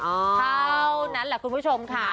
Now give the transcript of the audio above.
เท่านั้นแหละคุณผู้ชมค่ะ